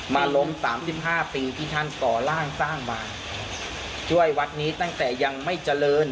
ล้มสามสิบห้าปีที่ท่านก่อล่างสร้างมาช่วยวัดนี้ตั้งแต่ยังไม่เจริญ